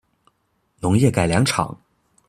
农业改良场